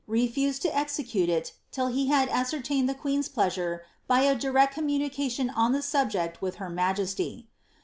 refused to execute it till he had ascertained the queen's pleasure br a direct communication on the subject with her majesty.